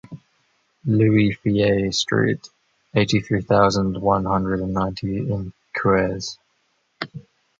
Louis Fille street, eighty-three thousand one hundred and ninety in Cuers.